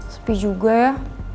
sepi juga ya